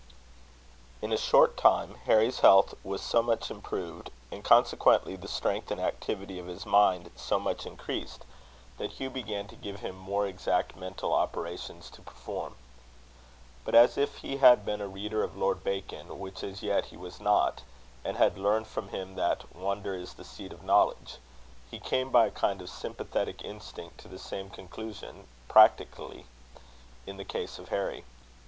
In a short time Harry's health was so much improved, and consequently the strength and activity of his mind so much increased, that Hugh began to give him more exact mental operations to perform. But as if he had been a reader of Lord Bacon, which as yet he was not, and had learned from him that "wonder is the seed of knowledge," he came, by a kind of sympathetic instinct, to the same conclusion practically, in the case of Harry.